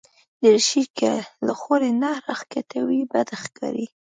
دریشي که له خولې نه راښکته وي، بد ښکاري.